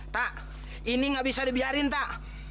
tak ini nggak bisa dibiarin tak